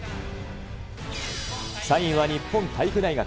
３位は日本体育大学。